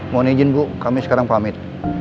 mohon izin bu kami sekarang pamit